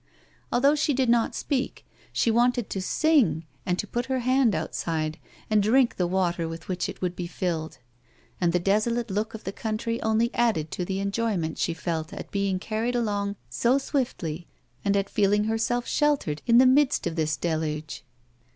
Although she did not speak, she wanted to sing and to put her hand outside and drink the water with which it would be filled ; and the desolate look of the country only added to the enjoyment she felt at being carried along so swiftly, and at feeling herself sheltered in the midst of this deluge.